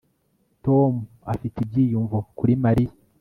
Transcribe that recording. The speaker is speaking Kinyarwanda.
Tom afite ibyiyumvo kuri Mariya